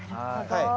はい。